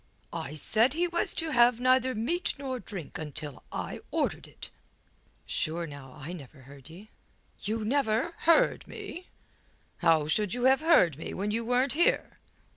"I said he was to have neither meat nor drink until I ordered it." "Sure, now, I never heard ye." "You never heard me? How should you have heard me when you weren't here?"